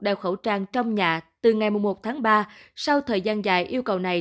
đeo khẩu trang trong nhà từ ngày một tháng ba sau thời gian dài yêu cầu này